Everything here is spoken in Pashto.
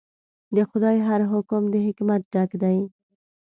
د خدای هر حکم د حکمت ډک دی.